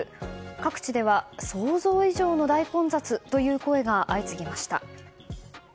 各地では想像以上の大混雑といった声が相次ぎました。